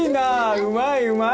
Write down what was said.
うまいうまい！